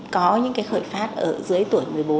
có những cái khởi phát ở dưới tuổi một mươi bốn